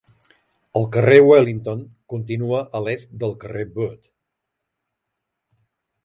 El carrer Wellington continua a l'est del carrer Booth.